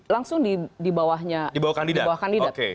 langsung di bawahnya di bawah kandidat